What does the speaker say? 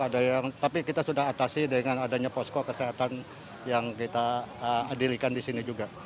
ada yang tapi kita sudah atasi dengan adanya posko kesehatan yang kita dirikan di sini juga